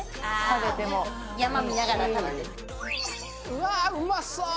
食べても山見ながら食べてるうわうまそう！